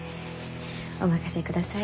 お任せください。